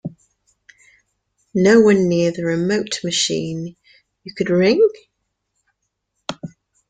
No one near the remote machine you could ring?